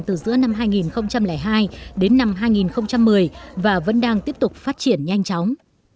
từ giữa năm hai nghìn hai đến năm hai nghìn một mươi và vẫn đang tiếp tục phát triển nhanh chóng